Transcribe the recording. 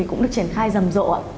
cũng được triển khai rầm rộ